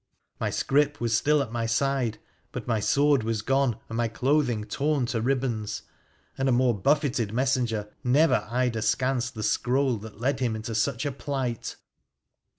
My scrip was still at my side, but my sword was gone, my clothing torn to ribbons, and a more buffeted messenger never eyed askance the scroll that led him into such a plight.